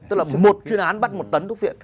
tức là một chuyến án bắt một tấn thuốc phiện